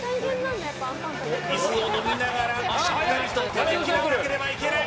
水を飲みながら、しっかりと食べきれなければいけない。